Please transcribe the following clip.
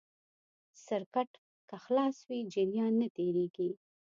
سرکټ که خلاص وي جریان نه تېرېږي.